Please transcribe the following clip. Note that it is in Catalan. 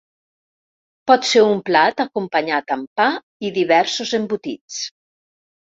Pot ser un plat acompanyat amb pa i diversos embotits.